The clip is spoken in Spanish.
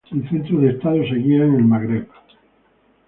El centro de Estado seguía en el Magreb.